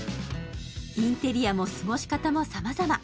インテリアも過ごし方もさまざま。